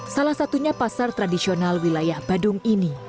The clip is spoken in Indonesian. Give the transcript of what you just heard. salah satunya pasar tradisional wilayah badung ini